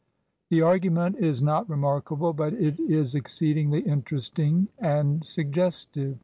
The argument is not remarkable, but it is ex ceedingly interesting and suggestive.